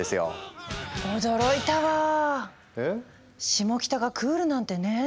シモキタがクールなんてねぇ。